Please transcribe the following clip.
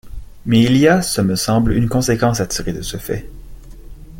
Mais il y a, ce me semble, une conséquence à tirer de ce fait